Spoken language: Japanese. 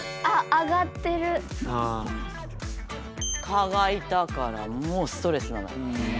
蚊がいたからもうストレスなのよ。